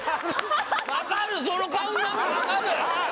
分かるその顔になるの分かる